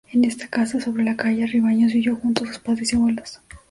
En esta casa, sobre la calle Arribeños vivió junto a sus padres y abuelos.